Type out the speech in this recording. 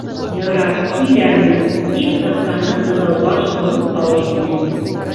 —Ярай, һөйләрмен, —тип һыҡтаны Быҙаубаш тоноҡ тауыш менән.